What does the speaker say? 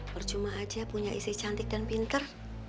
percuma aja punya istri cantik dan pinter